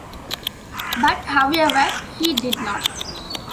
But, however, he did not.